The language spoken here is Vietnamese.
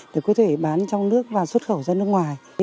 để có thể bán trong nước và xuất khẩu ra nước ngoài